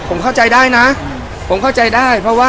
ผมเข้าใจได้นะ